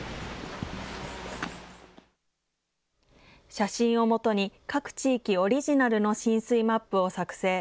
写真をもとに、各地域オリジナルの浸水マップを作成。